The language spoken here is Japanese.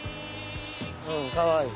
うんかわいい。